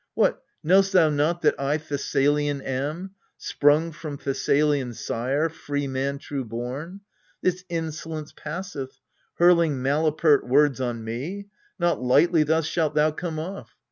What, knowst thou not that I Thessalian am, Sprung from Thessalian sire, free man true born? This insolence passeth ! hurling malapert words On me, not lightly thus shalt thou come off!